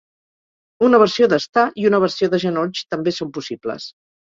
Una versió d'estar i una versió de genolls també són possibles.